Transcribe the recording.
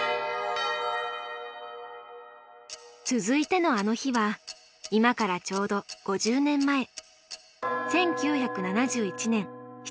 続いての「あの日」は今からちょうど５０年前。